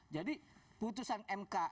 jadi putusan mk